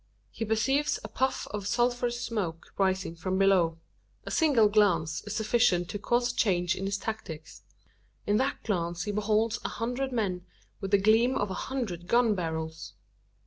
He perceives a puff of sulphureous smoke rising from below. A single glance is sufficient to cause a change in his tactics. In that glance he beholds a hundred men, with the gleam of a hundred gun barrels!